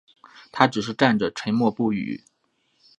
他只是站着沉默不语